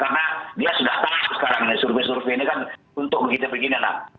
karena dia sudah tahu sekarang survei survei ini kan untuk begitu begini